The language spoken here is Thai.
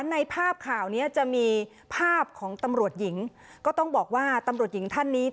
ในภาพข่าวนี้จะมีภาพของตำรวจหญิงก็ต้องบอกว่าตำรวจหญิงท่านนี้